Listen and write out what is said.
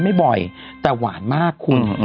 แต่ว่าว่าหมากคุณ